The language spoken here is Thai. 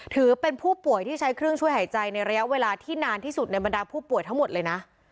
ถือเป็นผู้ป่วยที่ใช้เครื่องช่วยหายใจในระยะเวลาที่นานที่สุดในบรรดาผู้ป่วยทั้งหมดเลยนะ